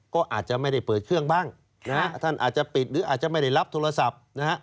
ก็อาจจะไม่ได้เปิดเครื่องบ้างนะฮะท่านอาจจะปิดหรืออาจจะไม่ได้รับโทรศัพท์นะฮะ